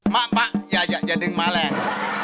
มะมะอย่าอย่าอย่าดึงม้าแรง